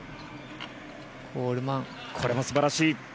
これも素晴らしい。